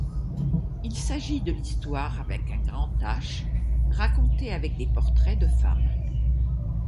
Il s'agit de l'histoire avec un grand H racontée avec des portraits de femmes.